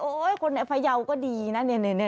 โอ๊ยคนไพยาก็ดีนะ